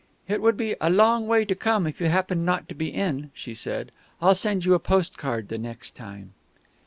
"It would be a long way to come if you happened not to be in," she said; "I'll send you a postcard the next time."